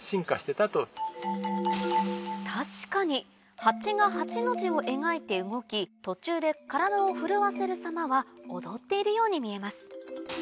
確かにハチが８の字を描いて動き途中で体を震わせる様は踊っているように見えます